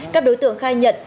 các đối tượng khai nhận